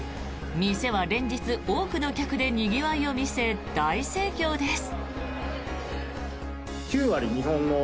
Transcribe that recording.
店は連日、多くの客でにぎわいを見せ、大盛況です。